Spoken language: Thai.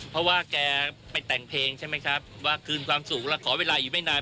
เพราะว่าแกไปแต่งเพลงใช่ไหมครับว่าคืนความสุขแล้วขอเวลาอยู่ไม่นาน